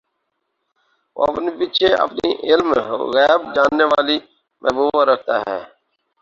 وہ اپنے پیچھے اپنی علمِغیب جاننے والی محبوبہ رکھتا ہے